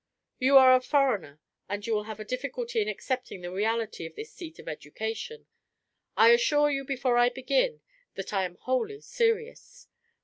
You are a foreigner, and you will have a difficulty in accepting the reality of this seat of education. I assure you before I begin that I am wholly serious.